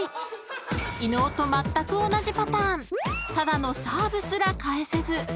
［伊野尾とまったく同じパターンただのサーブすら返せず］